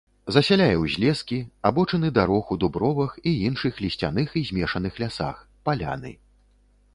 Засяляе узлескі, абочыны дарог у дубровах і іншых лісцяных і змешаных лясах, паляны.